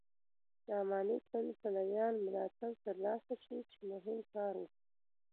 د اماني ګوند پلویانو ملاتړ تر لاسه شي چې مهم کار و.